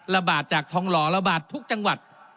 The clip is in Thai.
ระบาดจากทองหล่อระบาดทุกจังหวัด